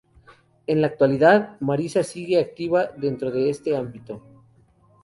En la actualidad, Marisa sigue activa dentro de este ámbito.